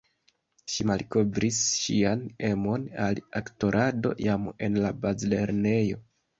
Ŝi malkovris ŝian emon al aktorado jam en la bazlernejo.